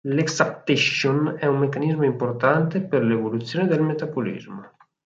L’exaptation è un meccanismo importante per l’evoluzione del metabolismo.